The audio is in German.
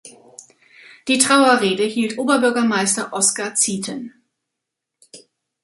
Die Trauerrede hielt Oberbürgermeister Oskar Ziethen.